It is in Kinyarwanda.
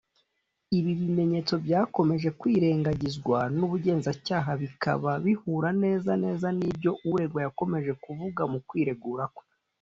Ibi bimenyetso byakomeje kwirengagizwa n’ubugenzacyaha bikaba bihura neza neza n’ibyo uregwa yakomeje kuvuga mu kwiregura kwe